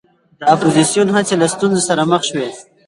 د اپوزېسیون هڅې له ستونزو سره مخ شوې.